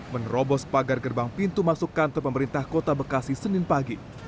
menerobos pagar gerbang pintu masuk kantor pemerintah kota bekasi senin pagi